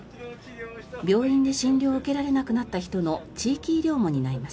病院で診療を受けられなくなった人の地域医療も担います。